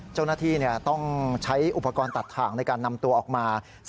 เจ้าหน้าที่ต้องใช้อุปกรณ์ตัดถ่างในการนำตัวออกมา